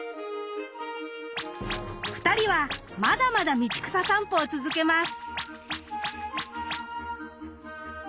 二人はまだまだ道草さんぽを続けます。